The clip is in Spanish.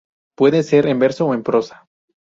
Puede ser en verso o en prosa.